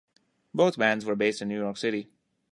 Both bands were based in New York City.